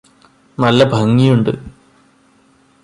നല്ല ഭംഗിയുണ്ട്